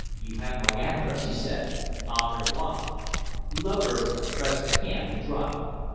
"'You have my address," he said. "Au revoir." Loder pressed the hand and dropped it.